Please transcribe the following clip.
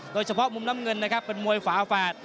โดยเฉพาะมุมน้ำเงินนะครับเป็นมวยฝาแฝด